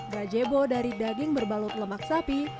gajebo dari daging berbalut lemak sapi